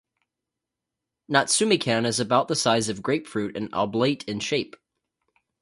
Natsumikan is about the size of grapefruit and oblate in shape.